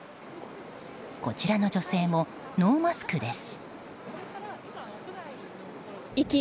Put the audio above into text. こちらの女性もノーマスクです。